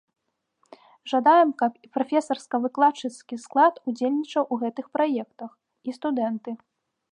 Жадаем, каб і прафесарска-выкладчыцкі склад удзельнічаў у гэтых праектах, і студэнты.